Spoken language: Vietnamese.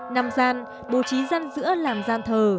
nằm gian bố trí gian giữa làm gian thờ